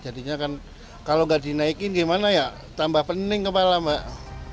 jadinya kan kalau nggak dinaikin gimana ya tambah pening kepala mbak